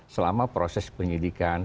selama proses penyidikan